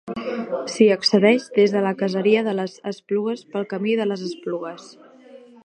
S'hi accedeix des de la caseria de les Esplugues pel Camí de les Esplugues.